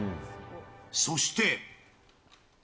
そして。